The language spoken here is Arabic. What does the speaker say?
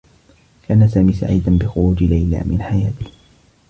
كان سامي سعيدا بخروج ليلى من حياته.